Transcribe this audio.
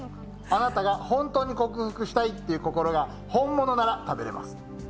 あなたが本当に克服したいという心が本物なら食べれます。